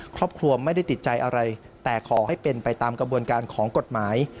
ครอบครัวไม่ได้ติดใจอะไรแต่ขอให้เป็นไปตามกระบวนการของกฎหมาย